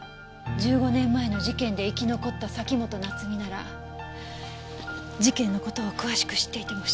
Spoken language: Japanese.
１５年前の事件で生き残った崎本菜津美なら事件の事を詳しく知っていても不思議じゃないでしょ。